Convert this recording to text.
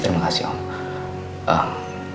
terima kasih om